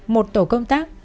một tổ công tác